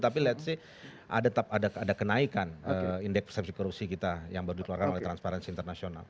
tapi let's say ada kenaikan indeks persepsi korupsi kita yang baru dikeluarkan oleh transparency international